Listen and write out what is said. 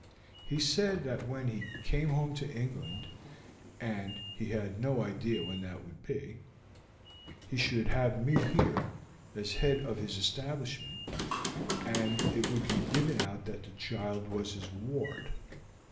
He said that when he came home to England (and he had no idea when that would be) he should have me here, as head of his establishment, and it would be given out that the child was his ward.